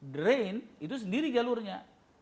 drain itu sendiri jalurnya